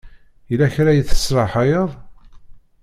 Yella kra i tesraḥayeḍ?